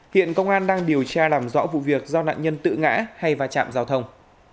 hiện công an đang điều tra làm rõ vụ việc do nạn nhân tự ngã hay va chạm giao thông